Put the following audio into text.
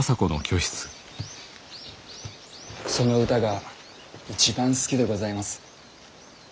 その歌が一番好きでございます。